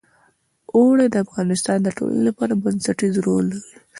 اوړي د افغانستان د ټولنې لپاره بنسټيز رول لري.